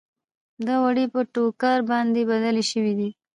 دا وړۍ په ټوکر باندې بدلې شوې دي.